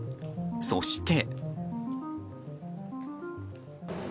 そして。